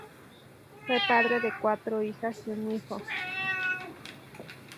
Fue padre de cuatro hijas y un hijo.